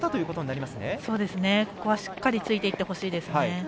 ここは、しっかりついていってほしいですね。